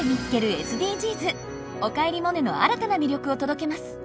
「おかえりモネ」の新たな魅力を届けます。